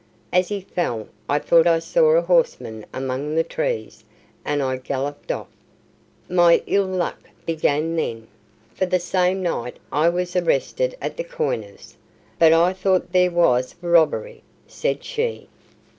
As he fell, I thought I saw a horseman among the trees, and I galloped off. My ill luck began then, for the same night I was arrested at the coiner's." "But I thought there was robbery," said she.